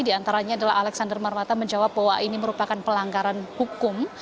di antaranya adalah alexander marwata menjawab bahwa ini merupakan pelanggaran hukum